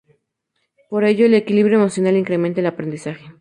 Por ello, el equilibrio emocional incrementa el aprendizaje.